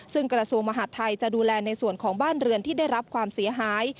ซึ่งกระทรวงมหาดไทยจะดูแลในส่วนของบ้านเรือนที่ได้รับความเสียหาย